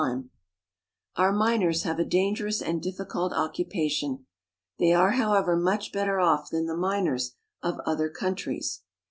IN A MINE. 217 Our miners have a dangerous and difficult occupation. They are, however, much better off than the miners of other countries.